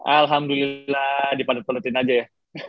alhamdulillah dipadat paletin aja ya